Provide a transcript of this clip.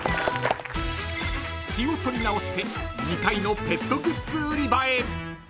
［気を取り直して２階のペットグッズ売り場へ］